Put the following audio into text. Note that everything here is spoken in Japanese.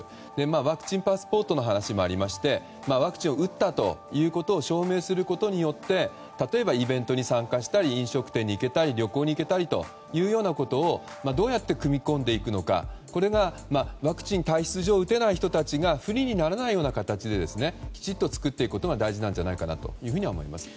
ワクチンパスポートの話もありましてワクチンを打ったということを証明することによって例えばイベントに参加したり飲食店に行けたり旅行に行けたりというようなことをどうやって組み込んでいくのかこれがワクチンを体質上打てない人たちが不利にならないような形できちんと作っていくことが大事だと思います。